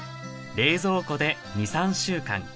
冷蔵庫で２３週間。